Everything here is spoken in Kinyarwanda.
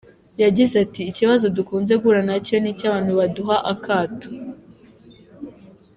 Yagize ati ‘‘Ikibazo dukunze guhura nacyo ni icy’abantu baduha akato.